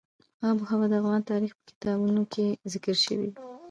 آب وهوا د افغان تاریخ په کتابونو کې ذکر شوی دي.